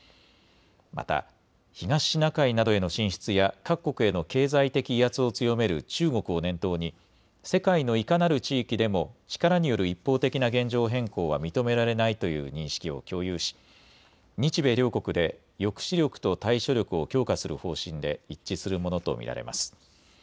また東シナ海などへの進出や各国への経済的威圧を強める中国を念頭に世界のいかなる地域でも力による一方的な現状変更は認められないという認識を共有し、日米両国で抑止力と対処力を強化する方針で一致するものと見られます。